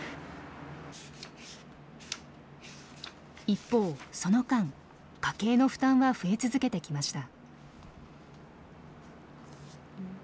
一方その間家計の負担は増え続けてきました。